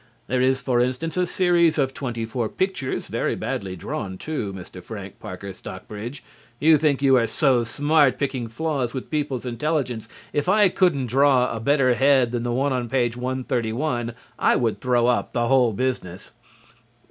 There is for instance, a series of twenty four pictures (very badly drawn too, Mr. Frank Parker Stockbridge. You think you are so smart, picking flaws with people's intelligence. If I couldn't draw a better head than the one on page 131 I would throw up the whole business).